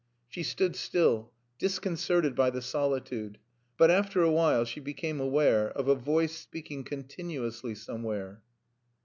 She stood still, disconcerted by the solitude, but after a while she became aware of a voice speaking continuously somewhere.